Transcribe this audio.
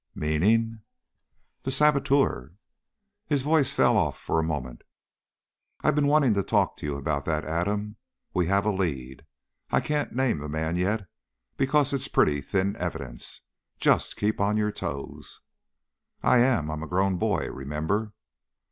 "Meaning...?" "The saboteur...." His voice fell off for a moment. "I've been wanting to talk with you about that, Adam. We have a lead. I can't name the man yet because it's pretty thin evidence. Just keep on your toes." "I am. I'm a grown boy, remember?"